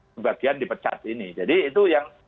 sebagian dipecat ini jadi itu yang